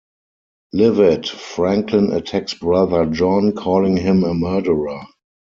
Livid, Franklin attacks Brother John, calling him a murderer.